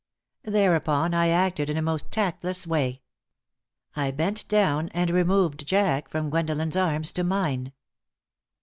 Thereupon I acted in a most tactless way. I bent down and removed Jack from Gwendolen's arms to mine.